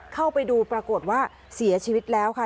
เข้าไปดูปรากฏว่าเสียชีวิตแล้วค่ะ